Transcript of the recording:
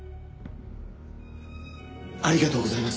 ありがとうございます。